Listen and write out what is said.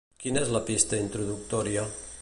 Quina és la pista introductòria?